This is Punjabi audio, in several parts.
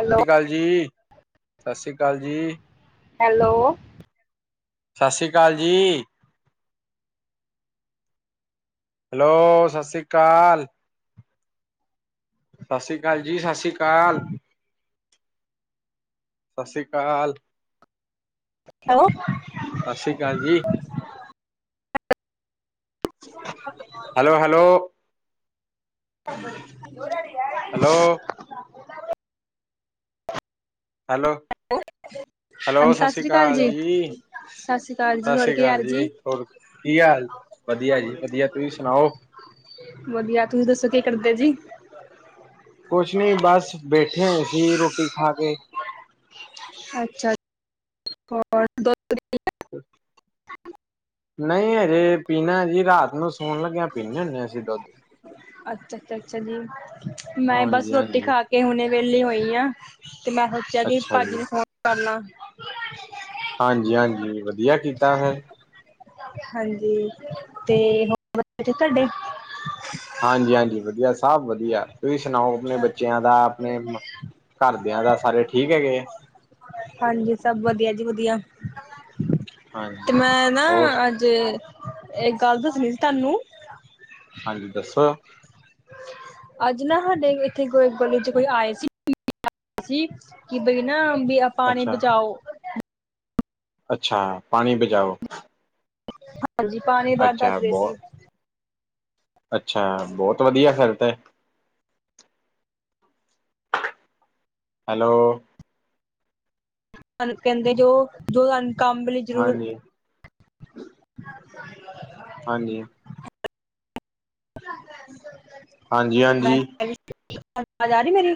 ਹੈਲੋ। [unintelligible] ਸਤ੍ਰੀ ਅਕਾਲ ਜੀ। ਸਤਿ ਸ਼੍ਰੀ ਅਕਾਲ ਜੀ। ਹੈਲੋ। ਸਤਿ ਸ਼੍ਰੀ ਅਕਾਲ ਜੀ। ਹੈਲੋ ਸਤਿ ਸ਼੍ਰੀ ਅਕਾਲ। ਸਤਿ ਸ਼੍ਰੀ ਅਕਾਲ ਜੀ ਸਤਿ ਸ਼੍ਰੀ ਅਕਾਲ। ਸਤਿ ਸ਼੍ਰੀ ਅਕਾਲ। ਹੈਲੋ ਸਤਿ ਸ਼੍ਰੀ ਅਕਾਲ ਜੀ। [inaudible] Hello hello. [inaudible] ਹੈਲੋ ਹੈਲੋ ਹਾਂਜੀ ਸਤਿ ਸ਼੍ਰੀ ਅਕਾਲ ਜੀ ਸਤਿ ਸ੍ਰੀ ਅਕਾਲ ਜੀ। ਸਤਿ ਹੋਰ ਸ਼੍ਰੀ ਕੀ ਅਕਾਲ ਹਾਲ ਜੀ? ਹੋਰ ਕੀ ਹਾਲ? ਵਧੀਆ ਜੀ ਵਧੀਆ। ਤੁਸੀ ਸੁਣਾਓ। ਵਧੀਆ ਤੁਸੀਂ ਦੱਸੋ ਕੀ ਕਰਦੇ ਜੀ? ਕੁਛ ਨਹੀਂ ਬਸ ਬੈਠੇ ਸੀ ਰੋਟੀ ਖਾ ਕੇ। ਅੱਛਾ ਅ ਹੋਰ ਦ [inaudible] ਨਹੀਂ ਹਜੇ ਪੀਨਾ ਏ ਜੀ ਰਾਤ ਨੂੰ ਸੌਣ ਲੱਗਿਆ ਪੀਂਦੇ ਹੁੰਦੇ ਅਸੀਂ ਦੁੱਧ। ਅੱਛਾ ਅੱਛਾ ਅੱਛਾ ਜੀ ਮੈਂ ਬਸ ਹਾਂਜੀ, ਰੋਟੀ ਹਾਂਜੀ, ਖਾ ਕੇ ਕੇ ਹੁਣੇ ਵੇਹਲੀ ਹੋਈ ਆ ਤੇ ਮੈਂ ਸੋਚਿਆ ਕਿ ਭਾੱ ਜੀ ਨੂੰ ਫੋਨ ਕਰ ਲਾਂ। ਹਾਂਜੀ ਹਾਂਜੀ ਵਧੀਆ ਕੀਤਾ ਫਿਰ। ਹਾਂਜੀ ਤੇ ਹੋਰ ਤੁਹਾਡੇ ਹਾਂਜੀ ਹਾਂਜੀ ਵਧੀਆ ਸਭ ਵਧੀਆ। ਤੁਸੀ ਸੁਣਾਓ ਅਪਣੇ ਬੱਚਿਆਂ ਦਾ ਅਪਣੇ ਘਰਦੇਆਂ ਦਾ ਸਾਰੇ ਠੀਕ ਹੈਗੇ ਏ। ਹਾਂਜੀ ਸਭ ਵਧੀਆ ਜੀ ਵਧੀਆ ਹਾਂਜੀ ਤੇ ਮੈਂ ਹੋਰ ਨਾ ਜੇ ਇਕ ਗੱਲ ਦੱਸਣੀ ਸੀ ਤੁਹਾਨੂੰ ਹਾਂਜੀ ਦੱਸੋ। ਅੱਜ ਨਾ ਸਾਡੇ ਇੱਥੇ ਗਲੀ ਚ ਕੋਈ ਆਏ ਸੀ ਸੀ ਕਿ ਬਈ ਨਾ ਪਾਣੀ ਅੱਛਾ ਬਚਾਓ ਅੱਛਾ ਪਾਣੀ ਬਚਾਓ। ਹਾਂਜੀ ਪਾਣੀ ਬਾਹਰ ਅੱਛਾ ਦੱਸ ਰਹੇ ਸੀ। ਬਹੁਤ ਅੱਛਾ ਬਹੁਤ ਵਧੀਆ ਫਿਰ ਤੇ। ਹੈਲੋ ਸਾਨੂੰ ਕਹਿੰਦੇ ਜੋ ਜੋ ਸਾਨੂੰ ਕੰਮ ਲਈ ਜ਼ਰੂਰ ਹਾਂਜੀ ਹਾਂਜੀ। [inaudible] ਹਾਂਜੀ ਹਾਂਜੀ। ਆਵਾਜ ਆ ਰਹੀ ਮੇਰੀ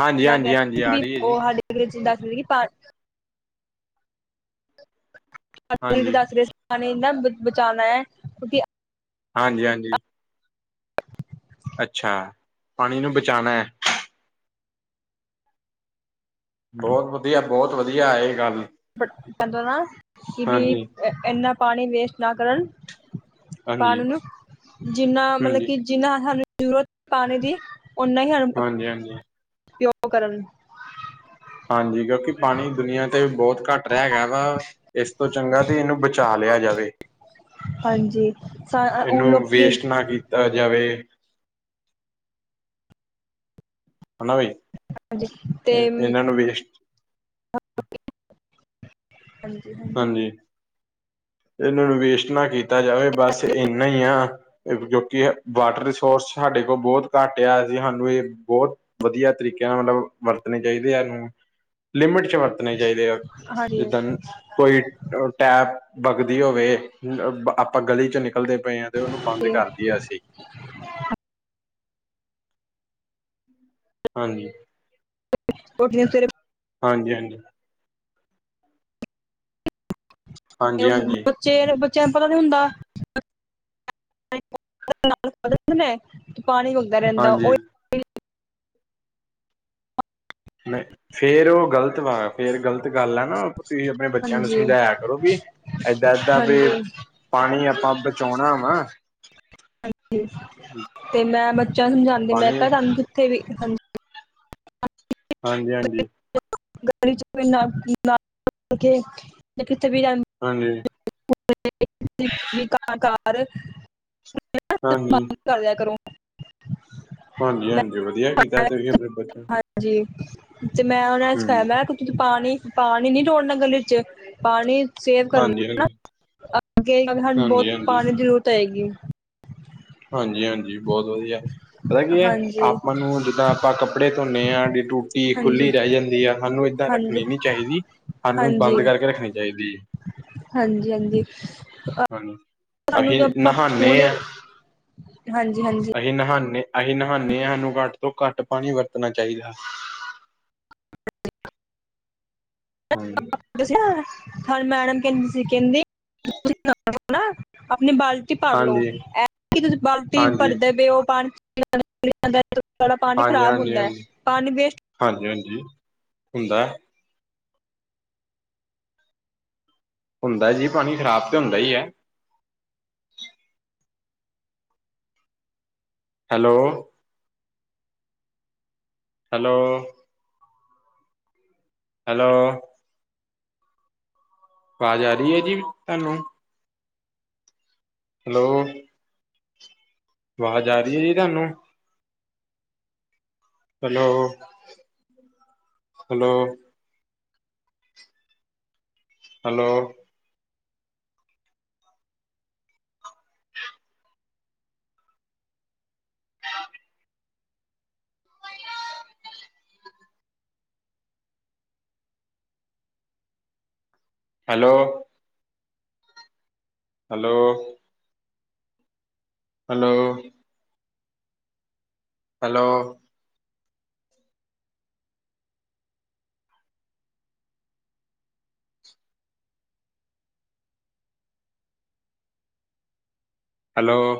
ਹਾਂਜੀ ਮੈਂ ਕਹ ਹਾਂਜੀ ਹਾਂਜੀ ਆ ਰਹੀ ਸੀ ਹੈ ਜੀ ਉਹ [unintelligible] ਹਾਂਜੀ ਦੱਸ ਰਹੇ ਸੀ ਪਾਨੀ ਨਾ ਬਚਾਉਣਾ ਹੈ ਕਿਉਂਕਿ ਹਾਂਜੀ ਹਾਂਜੀ। ਅੱਛਾ, ਪਾਣੀ ਨੂੰ ਬਚਾਣਾ ਐ। ਬੋਤ ਵਦੀਆ, ਬੋਤ ਵਦੀਆ, ਐ ਗੱਲ [unintelligible] ਪੈਂਦਾ ਨਾ ਕਿ ਵੀ ਹਾਂਜੀ ਏਨਾ ਪਾਣੀ ਵੇਸਟ ਨਾ ਕਰਨ ਹਾਂਜੀ ਪਾਣੀ ਨੂੰ ਜਿੰਨਾ ਮਤਲਬ ਹਾਂਜੀ ਕਿ ਜਿੰਨਾ ਸਾਨੂੰ ਜ਼ਰੂਰਤ ਪਾਣੀ ਦੀ, ਓਨਾ ਹਾਂਜੀ ਹਾਂਜੀ [unintelligible] ਕਰਨ ਹਾਂਜੀ, ਕਿਓਂਕੇ ਪਾਣੀ ਦੁਨੀਆ ਤੇ ਬੋਤ ਘੱਟ ਰੈਗਾ ਵਾ ਇਸ ਤੋਂ ਚੰਗਾ ਤੇ ਏਨੂੰ ਬਚਾ ਲਿਆ ਜਾਵੇ। ਹਾਂਜੀ ਸਾ ਅ ਅ ਹੁਣ ਲੋਕੀ ਤਾ ਜਾਵੇ ਹਨਾ ਬੀ, ਹਾਂਜੀ ਤੇ ਏ ਏਨਾਂ ਨੂੰ ਵੇਸਟ ਹਾਂਜੀ ਹਾਂ। ਹਾਂਜੀ, ਏਨਾਂ ਨੂੰ ਵੇਸਟ ਨਾ ਕੀਤਾ ਜਾਵੇ ਬਸ ਇੰਨਾ ਈ ਆ। ਕਿਓਂਕੇ ਏ ਵਾਟਰ ਰਿਸੋਰਸ ਸਾਡੇ ਕੋ ਬੋਤ ਘੱਟ ਐ ਆ ਤੇ ਸਾਨੂੰ ਏ ਬੋਤ ਵਦੀਆ ਤਰੀਕੇਆਂ ਨਾਲ ਮਤਲਬ ਵਰਤਣੇ ਚਾਈਦੇ ਐ ਏਨੂੰ। ਲਿਮਿਟ ਚ ਵਰਤਣੇ ਚਾਈਦੇ ਆ, ਹਾਂਜੀ ਜਿੱਦਾਂ ਹਾਂਜੀ ਕੋਈ ਅ ਟੈਪ ਬਗਦੀ ਹੋਵੇ ਆਪਾਂ ਗਲੀ ਚ ਨਿਕਲਦੇ ਪਏ ਆਂ ਤੇ ਓਨੂੰ ਬੰਦ ਤੇ ਕਰਦੀ ਐ ਅਸੀਂ। ਹਾਂਜੀ। ਓ ਫੇਰ [unintelligible] ਹਾਂਜੀ-ਹਾਂਜੀ। ਹਾਂਜੀ ਹਾਂਜੀ ਬੱਚੇ, ਬੱਚੇਆਂ ਨੂੰ ਪਤਾ ਨੀ ਹੁੰਦਾ। [unintelligible] ਤੇ ਪਾਣੀ ਡੁਲਦਾ ਰੈਂਦਾ ਓ ਹਾਂਜੀ ਮੈਂ ਫੇਰ ਓ ਗਲਤ ਵਾ ਫੇਰ ਗਲਤ ਗੱਲ ਆ ਨਾ ਤੁਸੀਂ ਆਪਣੇ ਬੱਚੇਆਂ ਨੂੰ ਹਾਂਜੀ ਸਮਜਾਇਆ ਕਰੋ ਵੀ ਏਦਾਂ-ਏਦਾਂ ਵੀ, ਹਾਂਜੀ ਪਾਣੀ ਆਪਾਂ ਬਚੋਣਾ ਵਾ। ਹਾਂਜੀ ਤੇ ਮੈਂ ਬੱਚੇਆਂ ਨੂੰ ਸਮਜਾਂਦੀ ਮੈਂ ਪਾਣੀ ਕਿਆ ਸਾਨੂੰ ਕਿੱਥੇ ਵੀ ਹਾਂਜੀ ਹਾਂਜੀ-ਹਾਂਜੀ। [unintelligible] ਗਲੀ ਚ ਕੋਈ [unintelligible] ਯਾਂ ਕਿੱਥੇ ਵੀ ਜਾਂ ਹਾਂਜੀ। [inaudible] ਹਾਂਜੀ ਕਰ ਦੇਆ ਕਰੂੰ। ਹਾਂਜੀ-ਹਾਂਜੀ ਵਦੀਆ ਕੀਤਾ, ਤੁਸੀਂ ਆਪਣੇ ਬੱਚੇਆਂ ਨੂੰ ਹਾਂਜੀ ਤੇ ਮੈਂ ਓਨਾਂ ਨੂੰ ਸਿਖਾਏਆ ਮੈਂ ਕਿਆ ਤੁਸੀਂ ਪਾਣੀ ਪਾਣੀ ਨੀ ਡੋਲਨਾ ਗਲੀ ਚ, ਪਾਣੀ ਸੇਵ ਕਰ ਹਾਂਜੀ ਲੈਨਾ, ਹਾਂਜੀ ਅੱਗੇ ਜਾ ਕੇ ਸਾਨੂੰ ਹਾਂਜੀ ਬੋਤ ਹਾਂਜੀ ਪਾਣੀ ਦੀ ਜ਼ਰੂਰਤ ਪਏਗੀ। ਹਾਂਜੀ-ਹਾਂਜੀ ਬੋਤ ਵਦੀਆ, ਪਤਾ ਕੀ ਐ, ਹਾਂਜੀ ਆਪਾਂ ਨੂੰ ਜਿੱਦਾਂ ਆਪਾਂ ਕੱਪ ਕੱਪੜੇ ਧੋਨੇ ਆਂ ਸਾਡੀ ਟੂਟੀ ਹਾਂਜੀ, ਖੁੱਲੀ ਰੈ ਜਾਂਦੀ ਆ ਸਾਨੂੰ ਏਦਾਂ ਹਾਂਜੀ, ਰੱਖਣੀ ਨੀ ਚਾਹੀਦੀ। ਸਾਨੂੰ ਬੰਦ ਕਰਕੇ ਰੱਖਣੀ ਚਾਹੀਦੀ ਐ। ਹਾਂਜੀ-ਹਾਂਜੀ। ਹਾਂ, ਅਸੀਂ ਨਹਾਨੇ ਆਂ ਹਾਂਜੀ-ਹਾਂਜੀ। ਅਸੀ ਨਹਾਨੇ ਅਸੀਂ ਨਹਾਨੇ ਆ ਸਾਨੂੰ ਘੱਟ ਤੋਂ ਘੱਟ ਪਾਣੀ ਵਰਤਨਾ ਚਾਈਦਾ। ਹਾਂਜੀ। [unintelligible] ਸਾਨੂੰ ਮੈਡਮ ਕੈਂਦੀ ਸੀ ਕੈਂਦੀ ਤੁਸੀਂ ਨਹਾਲੋ ਨਾ ਆਪਣੀ ਬਾਲ ਤੇ ਭਰ ਲਓ ਹਾਂਜੀ ਆਪ ਤੇ ਤੁਸੀਂ ਬਾਲਟੀ ਹਾਂਜੀ ਭਰਦੇ ਪਏ ਓ ਪਾਣੀ [unintelligible] ਪਾਣੀ ਹਾਂਜੀ ਖ਼ਰਾਬ ਹਾਂਜੀ ਹੁੰਦਾ ਹੈ ਪਾਣੀ ਵੇਸਟ ਹਾਂਜੀ ਹਾਂਜੀ ਹੁੰਦਾ ਹੁੰਦਾ ਜੀ ਪਾਣੀ ਖ਼ਰਾਬ ਤੇ ਹੁੰਦਾ ਈ ਐ ਹੈਲੋ ਹੈਲੋ ਹੈਲੋ ਆਵਾਜ਼ ਆ ਰਹੀ ਐ ਜੀ ਤੁਹਾਨੂੰ ਹੈਲੋ ਆਵਾਜ਼ ਆ ਰਹੀ ਹੈ ਜੀ ਤੁਹਾਨੂੰ hello hello hello- hello- hello- hello- hello- hello-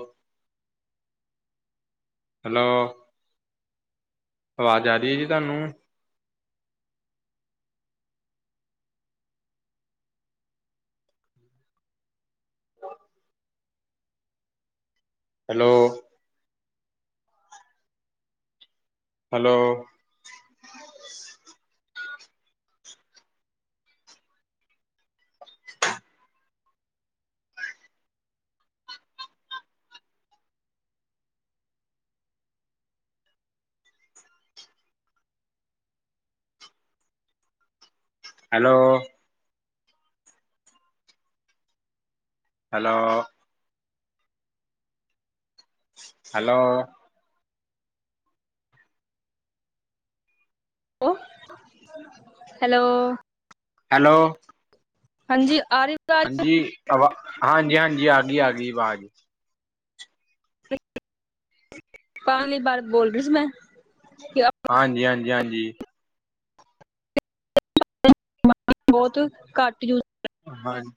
hello- ਆਵਾਜ਼ ਆ ਰਹੀ ਐ, ਜੀ ਤੁਹਾਨੂੰ hello- hello- hello- hello- hello- [unintelligible] hello- hello- ਹਾਂਜੀ ਆ ਰਹੀਂ ਹਾਂਜੀ, ਆਵਾਜ਼ ਹਾਂਜੀ-ਹਾਂਜੀ ਆ ਗਈ, ਆ ਗਈ ਆਵਾਜ਼ [unintelligible] ਬਾਰ ਬੋਲਦੀ ਸੀ ਮੈਂ ਹਾਂਜੀ, ਹਾਂਜੀ, ਹਾਂਜੀ ਬਹੁਤ ਘੱਟ ਯੂਜ ਹਾਂ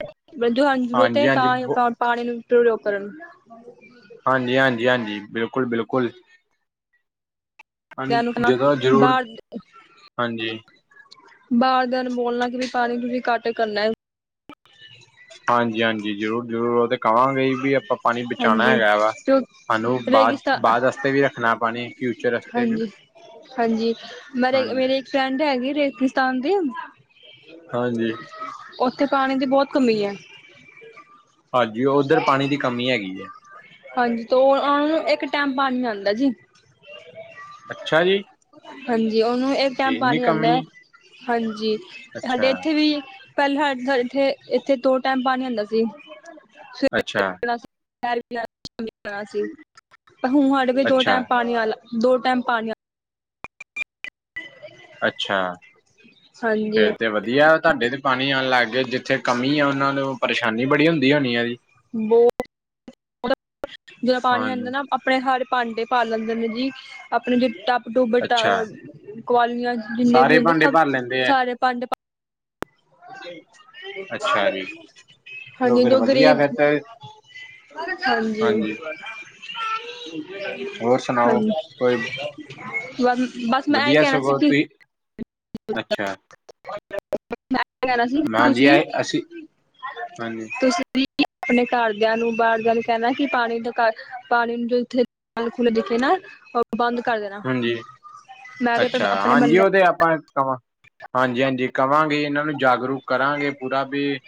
ਹਾਂਜੀ ਹਾਂਜੀ [unintelligible] ਪਾਣੀ ਨੂੰ [unintelligible] ਕਰਨ [inaudible] ਹਾਂਜੀ, ਹਾਂਜੀ, ਹਾਂਜੀ, ਬਿਲਕੁਲ, ਬਿਲਕੁਲ ਹਾਂਜੀ ਨੂੰ ਕਹਿਣਾ ਜਦੋਂ ਜ਼ਰੂਰਤ ਬਾਹਰ ਹਾਂਜੀ ਬਾਰ ਦਿਨ ਮੌਲਾ ਚ ਵੀ ਪਾਣੀ ਪੁਰੀ ਤੁਸੀਂ ਕੱਟ ਕਰਨਾ ਹਾਂਜੀ, ਹਾਂਜੀ ਜ਼ਰੂਰ-ਜ਼ਰੂਰ, ਉਹਦੇ ਕਵਾਂਗੇ ਵੀ ਆਪਾਂ ਪਾਣੀ ਬਚਾਉਣਾ ਹਾਂਜੀ ਹੈਗਾ ਵਾ ਕਿਉਂ ਹਲੋ ਬਾਅਦ ਰੇਗਿਸਤਾ ਬਾਅਦ ਵਾਸਤੇ ਵੀ ਰੱਖਣਾ ਪਾਣੀ ਫਿਊਚਰ ਵਾਸਤੇ ਵੀ ਹਾਂਜੀ ਹਾਂਜੀ, ਮਰੇ ਹਾਂਜੀ ਮੇਰੇ ਫਰੈਂਡ ਹੈਗੀ, ਰੇਗਿਸਤਾਨ ਦੀ ਹਾਂਜੀ ਉੱਥੇ ਪਾਣੀ ਚ ਬਹੁਤ ਘੁੰਮੀ ਆਂ। ਹਾਂਜੀ, ਉੱਧਰ ਪਾਣੀ ਦੀ ਕਮੀ ਹੈਗੀ ਐ ਹਾਂਜੀ ਤੇ, ਉਹਨਾਂ ਨੂੰ ਇੱਕ ਟੈਮ ਪਾਣੀ ਆਉਂਦਾ ਜੀ। ਅੱਛਾ ਜੀ। ਹਾਂਜੀ, ਉਹਨੂੰ ਇੱਕ ਟਾਈਮ ਇੰਨੀ ਪਾਣੀ ਆਉਂਦਾ ਐ, ਕਮੀ ਹਾਂਜੀ ਸਾਡੇ ਅੱਛਾ ਇੱਥੇ ਵੀ, ਪਹਿਲਾਂ ਤਾਂ ਥੇ ਇਥੇ-ਇੱਥੇ ਤੋ ਦੋ ਟਾਈਮ ਪਾਣੀ ਆਉਦਾ ਸੀ। ਅੱਛਾ। [inaudible] ਅੱਛਾ ਦੋ ਟੈਮ ਪਾਣੀ ਅੱਛਾ। ਹਾਂਜੀ। ਫੇਰ ਤੇ ਵਧੀਆ, ਤਾਡੇ ਤੇ ਪਾਣੀ ਆਉਣ ਲੱਗ ਗਿਆ। ਜਿੱਥੇ ਕਮੀ ਆ, ਉਹਨਾਂ ਨੂੰ ਪਰੇਸ਼ਾਨੀ ਬੜੀ ਹੁੰਦੀ ਹੋਣੀ ਹੈ ਜੀ। [inaudible] ਬੋ ਜਦੋਂ ਪਾਣੀ ਹਾਂਜੀ ਆਂਦਾ ਨਾ, ਆਪਣੇ ਸਾਰੇ ਭਾਂਡੇ ਪਾਰ ਲੈਂਦੇ ਨੇ ਜੀ, ਆਪਣੇ ਜਿਦਾਂ ਟੁਅਬਲ ਅੱਛਾ [unintelligible] ਕੁਆਲਨੀਆਂ, ਜਿੰਨੇ ਵੀ ਸਾਰੇ ਹੁੰਦੇ ਭਾਂਡੇ ਸਭ ਭਰ ਲੈਂਦੇ ਆ ਸਾਰੇ ਭਾਂਡੇ ਭੇ [inaudible] ਅੱਛਾ ਜੀ ਚਲੋ ਹਾਂਜੀ ਫਿਰ ਡੋਗਰੇ ਵਧੀਆ ਫਿਰ ਤੇ ਹਾਂਜੀ [inaudible] ਹੋਰ ਸੁਣਾਓ ਹਾਂਜੀ, ਕੋਈ ਬਸ-ਬਸ ਮੈਂ ਇਹਹੀ ਵਧੀਆ ਕਹਿਣਾ ਸੀ ਸਗੋਂ ਕਿ ਤੁਸੀਂ ਅੱਛਾ। [inaudible] ਮੈਂ ਕਹਿਣਾ ਸੀ ਹਾਂਜੀ ਤੁਸੀਂ, ਇਹ ਅਸੀਂ ਹਾਂਜੀ ਤੁਸੀਂ ਆਪਣੇ ਘਰਦਿਆਂ ਨੂੰ ਬਾਹਰਦਿਆਂ ਨੂੰ ਕਹਿਣਾ, ਕਿ ਪਾਣੀ ਦਾ ਪਾਣੀ ਨੂੰ ਜੋ ਇੱਥੇ ਨਲ ਖੁਲੇ ਦਿਖੇ ਨਾ ਬੰਦ ਕਰ ਦੇਣਾ ਹਾਂਜੀ, ਮੈਂ ਵੀ ਅੱਛਾ ਆਪਣੇ ਹਾਂਜੀ, ਮਹੱਲੇ ਉਹਦੇ ਆਪਾਂ ਹਾਂਜੀ ਹਾਂਜੀ, ਕਵਾਂਗੇ ਇਹਨਾਂ ਨੂੰ ਜਾਗਰੂਕ ਕਰਾਂਗੇ ਪੂਰਾ ਵੀ,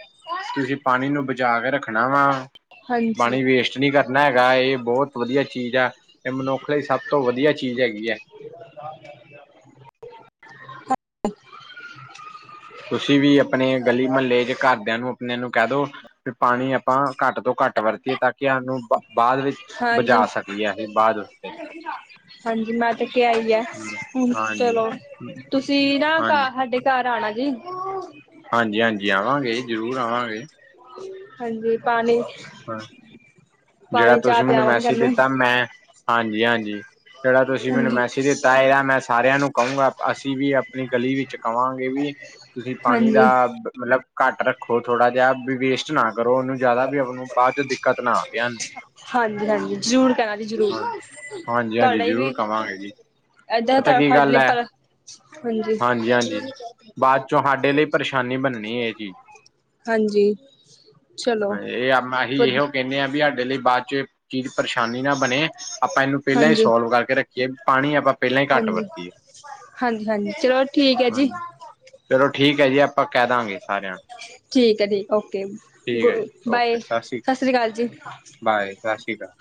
ਤੁਸੀਂ ਪਾਣੀ ਨੂੰ ਬਚਾ ਕੇ ਰੱਖਣਾ ਵਾ। ਹਾਂਜੀ ਪਾਣੀ ਵੇਸਟ ਨਹੀਂ ਕਰਨਾ ਹੈਗਾ। ਇਹ ਬਹੁਤ ਵਧੀਆ ਚੀਜ਼ ਆ, ਇਹ ਮਨੁੱਖ ਲਈ ਸਭ ਤੋਂ ਵਧੀਆ ਚੀਜ਼ ਹੈਗੀ ਹੈ। ਹਾਂ। ਤੁਸੀਂ ਵੀ ਆਪਣੇ ਗਲੀ-ਮਹੱਲੇ 'ਚ, ਘਰਦਿਆਂ ਨੂੰ ਆਪਣੇ ਨੂੰ ਕਹਿ ਦੋ ਵੀ ਪਾਣੀ ਆਪਾਂ, ਘੱਟ ਤੋਂ ਘੱਟ ਵਰਤੀਏ ਤਾਂ ਨੂੰ ਬਾਅਦ ਵਿੱਚ ਬਚਾ ਹਾਂਜੀ ਸਕੀਏ ਸੀਂ, ਬਾਅਦ ਵਿੱਚ। ਹਾਂਜੀ ਮੈਂ ਤੇ ਕੇ ਕਿਹਾ ਈ ਏ, ਹੁਣ ਹਾਂਜੀ ਚਲੋ ਤੁਸੀਂ ਨਾ ਘ ਹਾਂਜੀ ਸਾਡੇ ਘਾਰ ਆਣਾ ਜੀ। ਹਾਂਜੀ-ਹਾਂਜੀ ਆਵਾਂਗੇ, ਜ਼ਰੂਰ ਆਵਾਂਗੇ। ਹਾਂਜੀ, ਪਾਣੀ ਜਿਹੜਾ ਪਾਣੀ ਚਾਹ ਤੁਸੀਂ ਮੈਨੂੰ ਪਿਆਵਾਂਗੇ ਮੈਸੇਜ ਤੁਹਾਨੂੰ ਦਿੱਤਾ ਮੈਂ, ਹਾਂਜੀ ਹਾਂਜੀ ਜਿਹੜਾ ਤੁਸੀਂ ਮੈਨੂੰ ਹਾਂਜੀ ਮੈਸੇਜ ਦਿੱਤਾ, ਇਹ ਮੈਂ ਸਾਰਿਆਂ ਨੂੰ ਕਹੂੰਗਾ। ਅਸੀਂ ਵੀ ਆਪਣੀ ਗਲੀ ਵਿੱਚ ਕਵਾਂਗੇ ਵੀ, ਤੁਸੀਂ ਪਾਣੀ ਦਾ ਹਾਂਜੀ ਮਤਲਬ ਘੱਟ ਰੱਖੋ ਥੋੜਾ ਜਿਹਾ ਵੀ ਵੇਸਟ ਵੇਸਟ ਨਾ ਕਰੋ ਉਹਨੂੰ ਜ਼ਿਆਦਾ, ਵੀ ਆਪ ਨੂੰ ਬਾਅਦ 'ਚ ਦਿੱਕਤ ਨਾ ਆਵੇੂੰ। ਹਾਂਜੀ ਹਾਂਜੀ, ਜ਼ਰੂਰ ਕਹਿਣਾ ਜੀ ਜ਼ਰੂਰ, ਹਾਂ ਹਾਂਜੀ ਹਾਂਜੀ ਤੁਹਾਡਾ ਹੀ ਵੀ ਜ਼ਰੂਰ ਕਵਾਂਗੇ ਜੀ ਏਦਾਂ ਪਤਾ ਕੀ ਸਾਡ ਗੱਲ ਲਈ ਹੈ ਪਰ, ਹਾਂਜੀ ਤੁਹਾਡੇ ਲਈ ਪਰੇਸ਼ਾਨੀ ਬਣਨੀ ਹੈ ਜੀ। ਹਾਂਜੀ ਚਲੋ ਇਹ ਅਸੀਂ ਵਧ ਇਹੋ ਕਹਿੰਦੇ ਹਾਂ, ਵੀ ਸਾਡੇ ਲਈ ਬਾਅਦ 'ਚ ਚੀਜ਼ ਪਰੇਸ਼ਾਨੀ ਨਾ ਬਣੇ, ਆਪਾਂ ਇਹਨੂੰ ਪਹਿਲਾਂ ਹੀ ਹਾਂਜੀ ਸੋਲਵ ਕਰਕੇ ਰੱਖੀਏ। ਪਾਣੀ ਆਪਾਂ ਪਹਿਲਾਂ ਹੀ ਘੱਟ ਹਾਂਜੀ, ਵਰਤੀਏ ਹਾਂਜੀ ਹਾਂਜੀ, ਚਲੋ ਠੀਕ ਹੈ ਜੀ। ਹਾਂਜੀ ਚਲੋ ਠੀਕ ਹੈ ਜੀ, ਆਪਾਂ ਕਹਿ ਦਾਂਗੇ ਸਾਰਿਆਂ ਨੂੰ। ਠੀਕ ਹੈ ਠੀਕ, ਓਕੇ, ਠੀਕ ਹੈ ਗ ਜੀ ਬਾਏ, ਓਕੇ ਸਤਿ ਸ੍ਰੀ ਅਕਾਲ ਜੀ। ਸਤ ਸ਼੍ਰੀਕਾਲ।